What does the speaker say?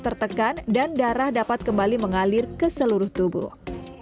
tertekan dan darah dapat kembali mengalir ke seluruh tubuh